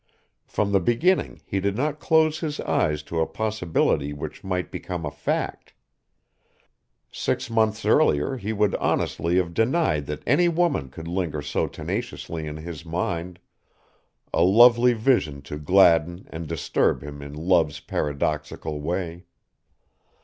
From the beginning he did not close his eyes to a possibility which might become a fact. Six months earlier he would honestly have denied that any woman could linger so tenaciously in his mind, a lovely vision to gladden and disturb him in love's paradoxical way.